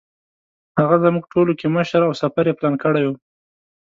هغه زموږ ټولو کې مشر او سفر یې پلان کړی و.